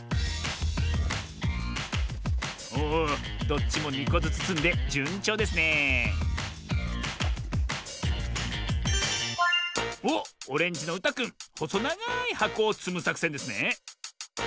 おおどっちも２こずつつんでじゅんちょうですねえおっオレンジのうたくんほそながいはこをつむさくせんですね。